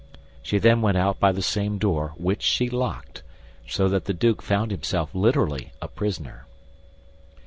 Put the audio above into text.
She then went out by the same door, which she locked, so that the duke found himself literally a prisoner.